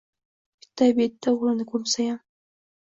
Bittayu bitta o‘g‘lini ko‘msayam.